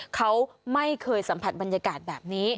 เขาไม่เคยสัมผัสบรรยากาศแบบนี้